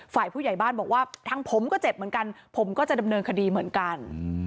ฝ่ายผู้ใหญ่บ้านบอกว่าทางผมก็เจ็บเหมือนกันผมก็จะดำเนินคดีเหมือนกัน